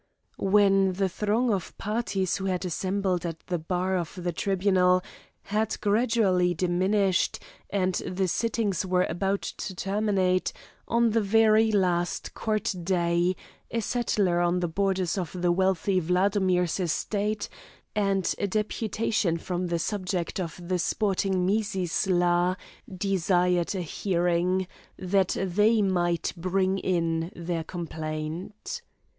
When the throng of parties who had assembled at the bar of the tribunal had gradually diminished, and the sittings were about to terminate on the very last court day, a settler on the borders of the wealthy Wladomir's estate, and a deputation from the subjects of the sporting Mizisla, desired a hearing, that they might bring in their complaint.